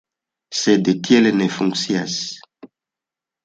Sed tiel ne funkcias.